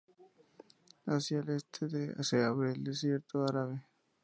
Hacia el este se abre el desierto árabe.